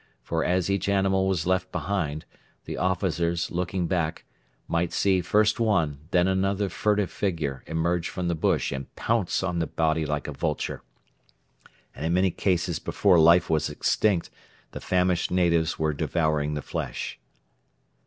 For as each animal was left behind, the officers, looking back, might see first one, then another furtive figure emerge from the bush and pounce on the body like a vulture; and in many cases before life was extinct the famished natives were devouring the flesh.